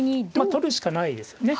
取るしかないですよね。